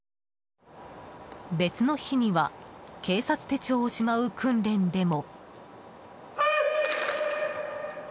別の日には警察手帳をしまう訓練でも。